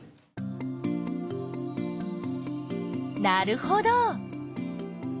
なるほど！